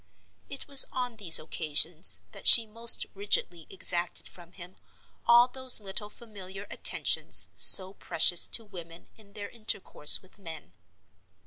It was on these occasions that she most rigidly exacted from him all those little familiar attentions so precious to women in their intercourse with men.